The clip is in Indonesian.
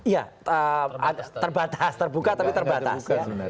iya terbuka tapi terbatas